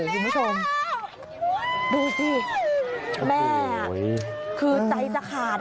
ดูสิแม่อ่ะนะคือใจจะขาด